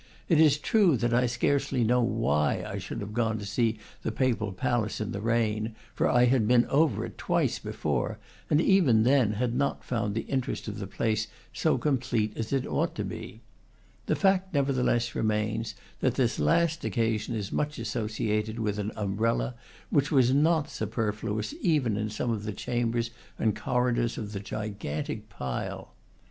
It is true that I scarcely know why I should have gone out to see the Papal palace in the rain, for I had been over it twice before, and even then had not found the interest of the place so complete as it ought to be; the fact, nevertheless, remains that this last occasion is much associated with an umbrella, which was not superfluous even in some of the chambers and cor ridors of the gigantic pile.